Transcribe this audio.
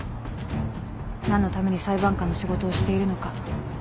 何のために裁判官の仕事をしているのか。